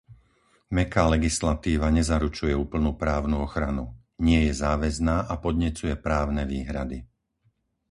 Mäkká legislatíva nezaručuje úplnú právnu ochranu; nie je záväzná a podnecuje právne výhrady.